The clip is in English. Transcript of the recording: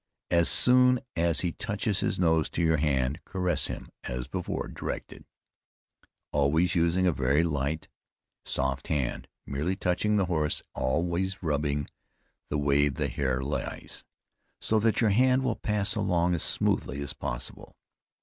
As soon as he touches his nose to your hand, caress him as before directed, always using a very light, soft hand, merely touching the horse, all ways rubbing the way the hair lays, so that your hand will pass along as smoothly as possible.